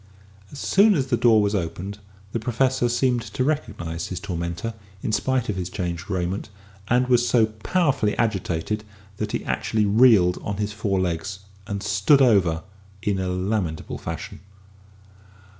As soon as the door was opened the Professor seemed to recognise his tormentor in spite of his changed raiment, and was so powerfully agitated that he actually reeled on his four legs, and "stood over" in a lamentable fashion.